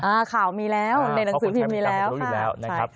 อ่าข่าวมีแล้วในหนังสือพิมพ์มีแล้วครับค่ะใช่ครับ